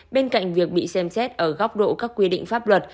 bên cạnh việc bị xem xét ở góc độ các quy định pháp luật